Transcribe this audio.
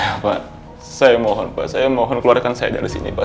apa saya mohon pak saya mohon keluarkan saya dari sini pak